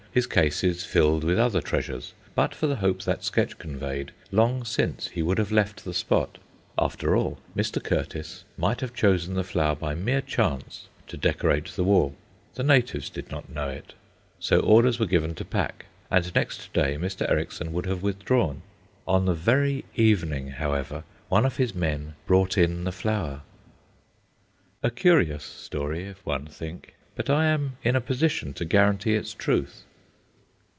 His cases filled with other treasures. But for the hope that sketch conveyed, long since he would have left the spot. After all, Mr. Curtis might have chosen the flower by mere chance to decorate the wall. The natives did not know it. So orders were given to pack, and next day Mr. Ericksson would have withdrawn. On the very evening, however, one of his men brought in the flower. A curious story, if one think, but I am in a position to guarantee its truth.